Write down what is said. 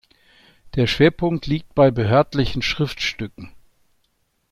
Der Schwerpunkt liegt bei behördlichen Schriftstücken.